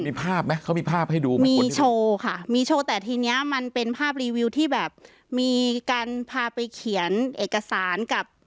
มีภาพไหมเขามีภาพให้ดูไหมมีมีโชว์ค่ะมีโชว์แต่ทีเนี้ยมันเป็นภาพรีวิวที่แบบมีการพาไปเขียนเอกสารกับ